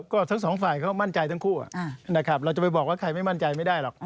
ก็ทั้งสองฝ่ายก็มั่นใจทั้งคู่นะครับเราจะไปบอกว่าใครไม่มั่นใจไม่ได้หรอก